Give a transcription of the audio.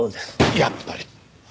やっぱり！